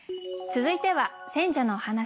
続いては選者のお話。